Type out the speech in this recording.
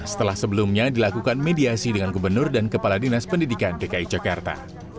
setelah sebelumnya dilakukan mediasi dengan gubernur dan kepala dinas pendidikan dki jakarta